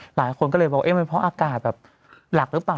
หลายคนก็เลยบอกเอ๊ะมันเพราะอากาศแบบหลักหรือเปล่า